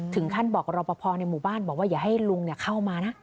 ท่านบอกรอปภในหมู่บ้านบอกว่าอย่าให้ลุงเข้ามานะ